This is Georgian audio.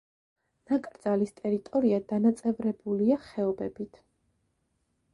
ნაკრძალის ტერიტორია დანაწევრებულია ხეობებით.